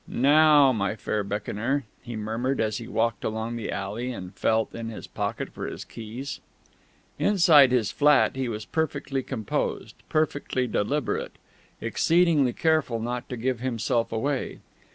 "Now, my Fair Beckoner!" he murmured as he walked along the alley and felt in his pocket for his keys.... Inside his flat, he was perfectly composed, perfectly deliberate, exceedingly careful not to give himself away.